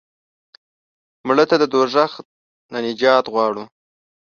مړه ته د دوزخ نه نجات غواړو